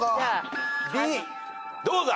どうだ？